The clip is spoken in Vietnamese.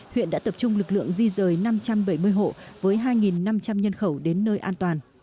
huyện đã tập trung lực lượng di rời năm trăm bảy mươi hộ với hai năm trăm linh nhân khẩu đến nơi an toàn